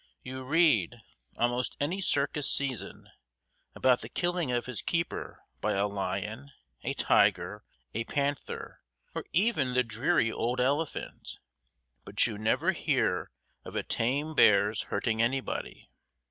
You read, almost any circus season, about the killing of his keeper by a lion, a tiger, a panther, or even the dreary old elephant, but you never hear of a tame bear's hurting anybody.